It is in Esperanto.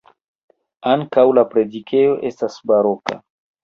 Ankaŭ la predikejo estas baroka.